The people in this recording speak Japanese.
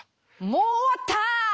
もう終わった！